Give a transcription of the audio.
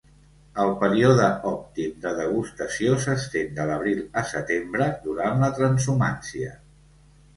El període òptim de degustació s'estén de l'abril a setembre, durant la transhumància.